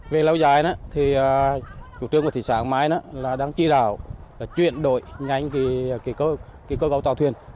về lâu dài chủ trương của thị xã hoàng mai đang truy đảo chuyển đổi nhanh cơ gấu tàu thuyền